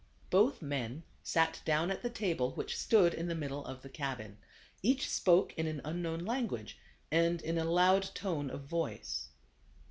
Both men sat down at the table, which stood in the middle of the cabin. Each spoke in an unknown language, and in a loud tone of voice.